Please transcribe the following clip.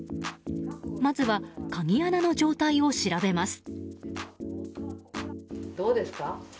まずは鍵穴の状態を調べます。